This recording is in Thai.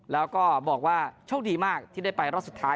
แล้วก็บอกว่าโชคดีมากที่ได้ไปรอบสุดท้าย